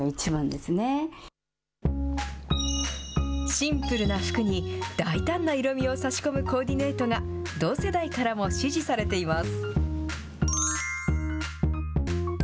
シンプルな服に大胆な色味を差し込むコーディネートが同世代からも支持されています。